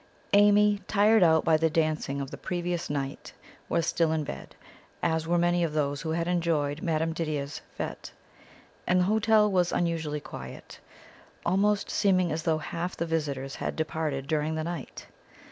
Amy, tired out by the dancing of the previous night, was still in bed, as were many of those who had enjoyed Madame Didier's fete; and the hotel was unusually quiet, almost seeming as though half the visitors had departed during the night.